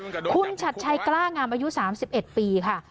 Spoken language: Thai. คุณชัดชัยกล้างามอายุ๓๑ปีค่ะ